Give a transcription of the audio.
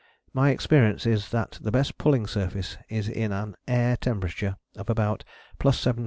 My experience is that the best pulling surface is at an air temperature of about +17° Fahr.